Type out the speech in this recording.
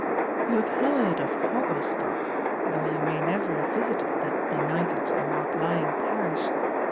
You have heard of Hogglestock, though you may never have visited that benighted and outlying parish.